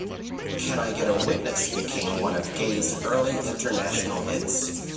"Can I Get a Witness" became one of Gaye's early international hits.